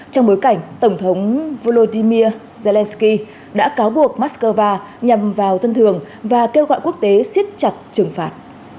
trong bối cảnh tổng thống volodymyr zelensky đã cáo buộc moscow nhằm vào dân thường và kêu gọi quốc tế siết chặt trừng phạt